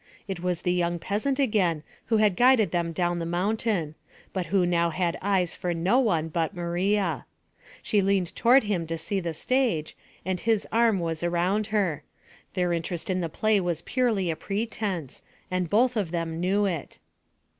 It was the young peasant again who had guided them down the mountain, but who now had eyes for no one but Maria. She leaned toward him to see the stage and his arm was around her. Their interest in the play was purely a pretence, and both of them knew it.